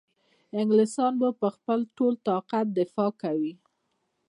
انګلیسیان به په خپل ټول طاقت دفاع کوي.